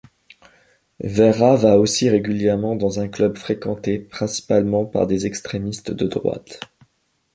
Vera va aussi régulièrement dans un club fréquenté principalement par des extrémistes de droite.